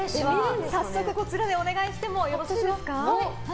早速こちらでお願いしてもよろしいですか。